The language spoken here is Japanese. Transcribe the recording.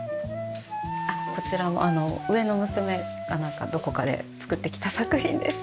こちらは上の娘がなんかどこかで作ってきた作品です。